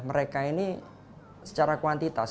mereka ini secara kuantitas